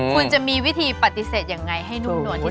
คุณจะมีวิธีปฏิเสธยังไงให้นุ่มหนวดที่สุด